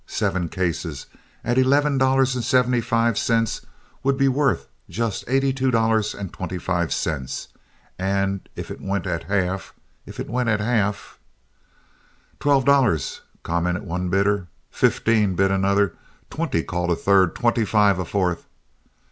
Seven cases at eleven dollars and seventy five cents would be worth just eighty two dollars and twenty five cents; and if it went at half—if it went at half— "Twelve dollars," commented one bidder. "Fifteen," bid another. "Twenty," called a third. "Twenty five," a fourth.